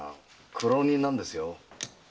苦労人なんです。